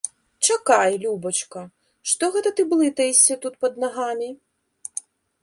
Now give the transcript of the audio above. Чакай, любачка, што гэта ты блытаешся тут пад нагамі?